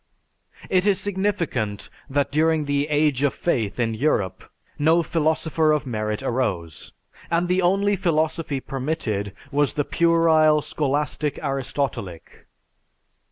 It is significant that during the "age of faith" in Europe no philosopher of merit arose, and the only philosophy permitted was the puerile Scholastic Aristotelic.